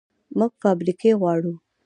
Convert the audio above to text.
موږ فابریکې غواړو